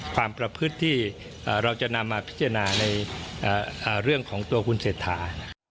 ความประพฤติที่เราจะนำมาพิจารณาในเรื่องของตัวคุณเศรษฐา